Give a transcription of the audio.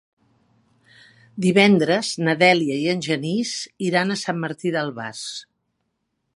Divendres na Dèlia i en Genís iran a Sant Martí d'Albars.